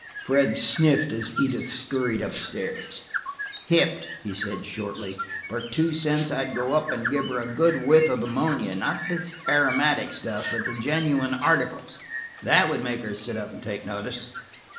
Fred sniffed as Edith scurried up stairs. "Hipped," he said shortly. "For two cents I'd go up and give her a good whiff of ammonia–not this aromatic stuff, but the genuine article. That would make her sit up and take notice.